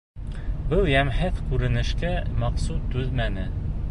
Был йәмһеҙ күренешкә Мәҡсүт түҙмәне: